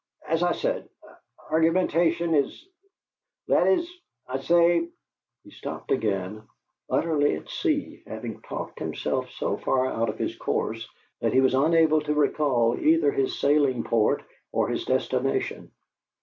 "As I said, argumentation is that is, I say " He stopped again, utterly at sea, having talked himself so far out of his course that he was unable to recall either his sailing port or his destination.